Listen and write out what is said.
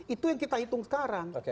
itu yang kita hitung sekarang